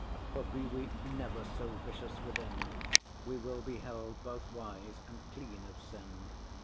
*try For be we never so vicious within, We will be held both wise and clean of sin.